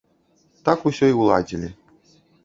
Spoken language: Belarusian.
Так усё і ўладзілі.